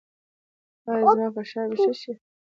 ایا زما فشار به ښه شي؟